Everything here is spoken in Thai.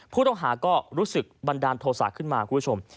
ผู้ต้องหาก็รู้สึกบันดาลโทษะขึ้นมาคุณผู้ชม